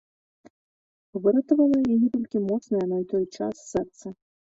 Выратавала яе толькі моцнае на той час сэрца.